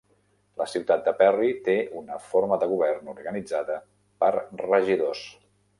La ciutat de Perry té una forma de govern organitzada per regidors.